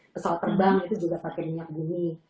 pesawat terbang itu juga pakai minyak bumi